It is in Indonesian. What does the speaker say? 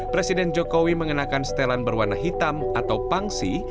presiden jokowi mengenakan setelan berwarna hitam atau pangsi